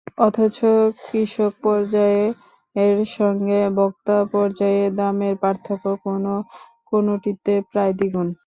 অথচ কৃষক পর্যায়ের সঙ্গে ভোক্তা পর্যায়ে দামের পার্থক্য কোনো কোনোটিতে প্রায় দ্বিগুণ।